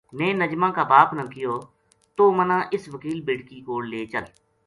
میں نجمہ کا باپ نا کہیو توہ مَنا اس وکیل بیٹکی کول لے چل